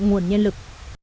nguồn nhân lực